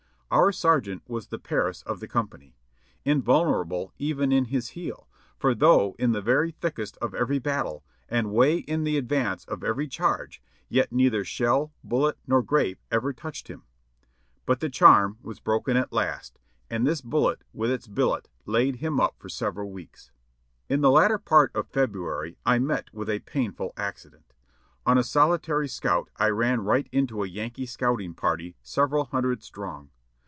Our sergeant was the Paris of the company : invulnerable even in his heel, for though in the very thickest of every battle, and way in the advance of every charge, yet neither shell, bullet, nor grape ever touched him. But the charm was broken at last, and this bullet with its billet laid him up for several weeks. In the latter part of February I met with a painful accident. On a solitary scout I ran right into a Yankee scouting party several hundred strong.